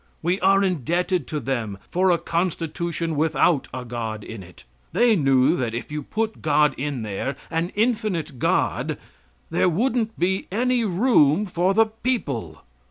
We are indebted to them for a constitution without a God in it. They knew that if you put God in there, an infinite God, there wouldn't be any room for the people.